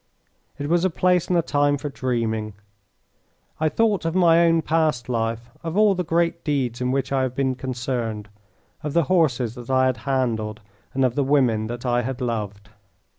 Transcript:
It was a place and a time for dreaming. I thought of my own past life, of all the great deeds in which I had been concerned, of the horses that I had handled, and of the women that I had loved.